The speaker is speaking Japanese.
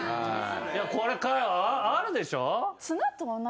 これあるでしょ。